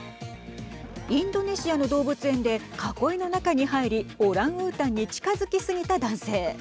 インドネシアの動物園で囲いの中に入りオランウータンに近づきすぎた男性。